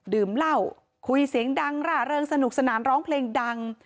ดื่มเหล้าคุยเสียงดังร่าเริงสนุกสนานร้องเพลงดัง